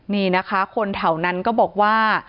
นี่นะคะคนแถวนั้นก็บอกว่า